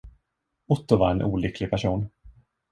Otto var en olycklig person.